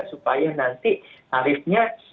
supaya nanti tarifnya